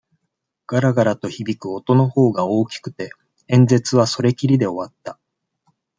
がらがらと響く音のほうが大きくて、演説はそれきりで終わった。